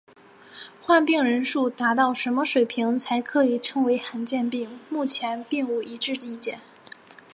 患病人数达什么水平才可称为罕见病目前并无一致意见。